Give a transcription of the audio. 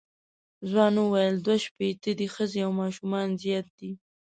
ځوان وویل دوه شپېته دي ښځې او ماشومان زیات دي.